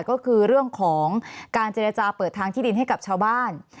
ก็คือเรื่องของการเจรจาเปิดทางที่ดินให้กับชาวบ้าน